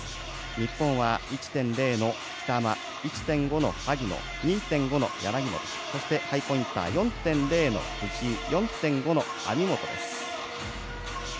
日本は１．０の北間１．５の萩野、２．５の柳本そしてハイポインター４．０の藤井４．５の網本です。